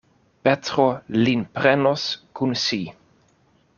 Petro lin prenos kun si.